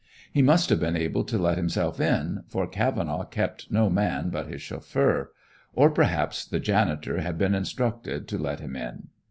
He must have been able to let himself in, for Cavenaugh kept no man but his chauffeur; or perhaps the janitor had been instructed to let him in.